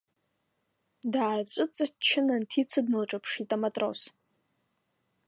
Даацәыҵаччан Анҭица дналҿаԥшит аматрос.